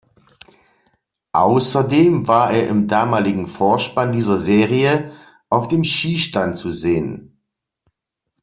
Außerdem war er im damaligen Vorspann dieser Serie auf dem Schießstand zu sehen.